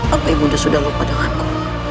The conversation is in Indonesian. apa ibu bunda sudah lupa denganku